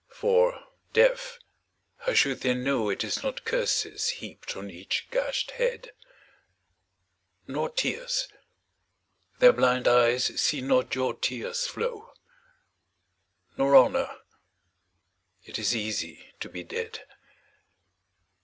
For, deaf, how should they know It is not curses heaped on each gashed head ? Nor tears. Their blind eyes see not your tears flow. Nor honour. It is easy to be dead.